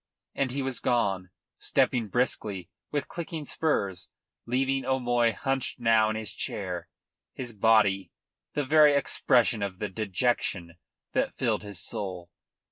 And he was gone, stepping briskly with clicking spurs, leaving O'Moy hunched now in his chair, his body the very expression of the dejection that filled his soul.